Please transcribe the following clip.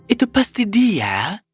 itu pasti dia